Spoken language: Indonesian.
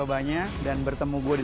el tahu apa itu announcementsbang